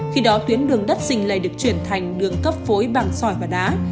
khi đó tuyến đường đất xình lầy được chuyển thành đường cấp phối bằng sỏi và đá